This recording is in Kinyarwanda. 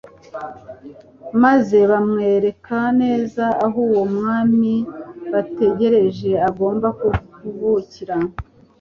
maze bamwereka neza aho uwo mwami bategereje agomba kuvukira.